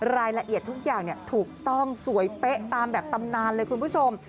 รายละเอียดทุกอย่างถูกต้องสวยเป๊ะตามแบบตำนานเลยคุณผู้ชม